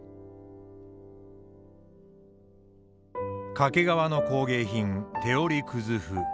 掛川の工芸品手織葛布。